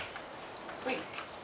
はい。